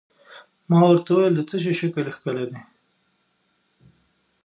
ما ورته وویل: د څه شي شکل کښلی دی؟